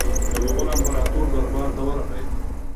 د مغول امپراطور دربار ته ورغی.